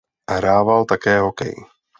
Hrával také hokej.